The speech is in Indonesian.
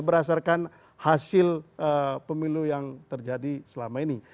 berdasarkan hasil pemilu yang terjadi selama ini